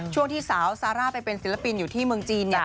ช่วงที่สาวซาร่าไปเป็นศิลปินอยู่ที่เมืองจีน